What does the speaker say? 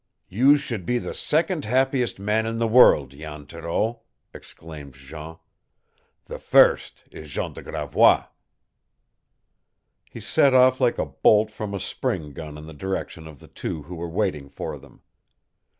"You should be the second happiest man in the world, Jan Thoreau," exclaimed Jean. "The first is Jean de Gravois!" He set off like a bolt from a spring gun in the direction of the two who were waiting for them.